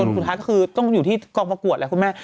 สุดท้ายก็คือต้องอยู่ที่กองประกวดแหละคุณแม่